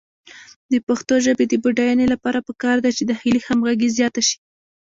د پښتو ژبې د بډاینې لپاره پکار ده چې داخلي همغږي زیاته شي.